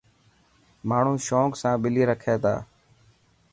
ماڻهو شونڪ سان ٻلي رکيا تا.